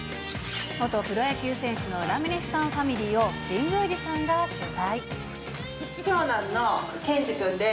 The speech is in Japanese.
元プロ野球選手のラミレスさんファミリーを、神宮寺さんが取長男のケンジくんです。